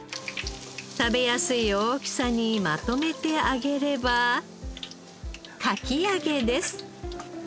食べやすい大きさにまとめて揚げればかき揚げです。